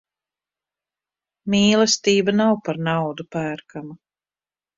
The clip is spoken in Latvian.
Mīlestība nav par naudu pērkama.